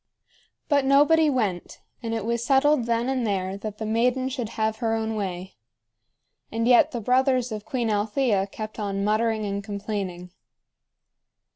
But nobody went, and it was settled then and there that the maiden should have her own way. And yet the brothers of Queen Althea kept on muttering and complaining.